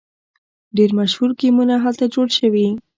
ډیر مشهور ګیمونه هلته جوړ شوي.